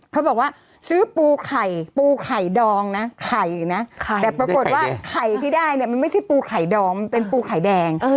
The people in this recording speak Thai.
เขาบอกว่าซื้อปูไข่ปูไข่ดองนะไข่นะแต่ปรากฏว่าไข่ที่ได้เนี่ยมันไม่ใช่ปูไข่ดองมันเป็นปูไข่แดง